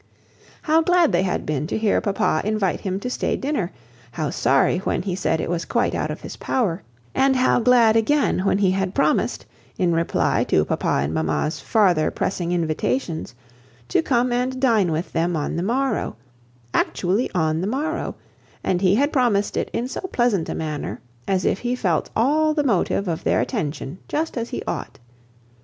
How glad they had been to hear papa invite him to stay dinner, how sorry when he said it was quite out of his power, and how glad again when he had promised in reply to papa and mamma's farther pressing invitations to come and dine with them on the morrow—actually on the morrow; and he had promised it in so pleasant a manner, as if he felt all the motive of their attention just as he ought.